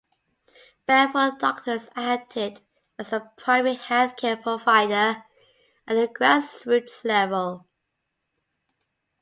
Barefoot doctors acted as a primary health-care provider at the grass-roots level.